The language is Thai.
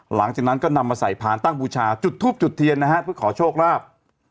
หลังจากนั้นก็นำมาใส่พานตั้งบูชาจุดทูบจุดเทียนนะฮะเพื่อขอโชคลาภ